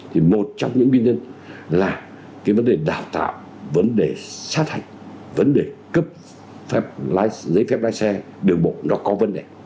thì một trong những nguyên nhân là cái vấn đề đào tạo vấn đề sát hạch vấn đề cấp phép giấy phép lái xe đường bộ nó có vấn đề